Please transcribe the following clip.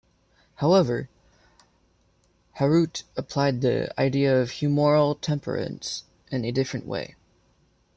However, Huarte applied the idea of humoral temperaments in a different way.